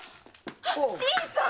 新さん！